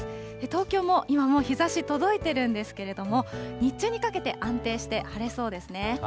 東京も今もう日ざし届いてるんですけれども、日中にかけて、安定して晴れそうですね。